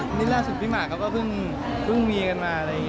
อันนี้ล่าสุดพี่มะครับเค้าก็เพิ่งมีมา